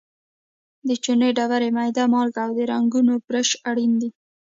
د چونې ډبرې، میده مالګه او د رنګولو برش اړین دي.